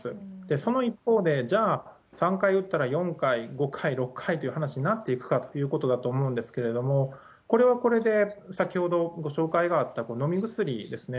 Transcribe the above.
その一方で、じゃあ、３回打ったら４回、５回、６回という話になっていくかということだと思うんですけれども、これはこれで先ほどご紹介があった、飲み薬ですね。